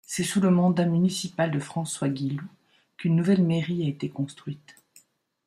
C'est sous le mandat municipal de François Guillou qu'une nouvelle mairie a été construite.